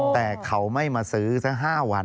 แต่เขาไม่มาซื้อสัก๕วัน